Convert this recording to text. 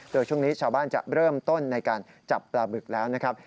โดยช่วงนี้ชาวบ้านจะเริ่มต้นในการจับปลาบึกแล้วนะครับ